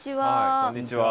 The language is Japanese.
こんにちは。